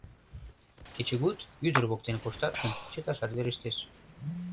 Кечыгут ӱдыр воктен коштат гын, чыташат верештеш.